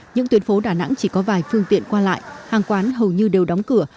những tuyến phố đà nẵng chỉ có vài phương tiện qua lại hàng quán hầu như đều đóng cửa